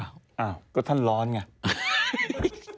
อ้าวก็ท่านร้อนไง